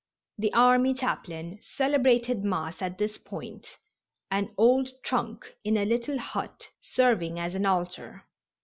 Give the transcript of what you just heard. The army chaplain celebrated Mass at this point, an old trunk in a little hut serving as an altar.